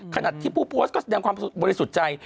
ขณะที่ผู้โพสต์ก็แสดงความบริสุทธิ์ใจ